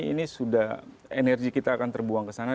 ini sudah energi kita akan terbuang ke sana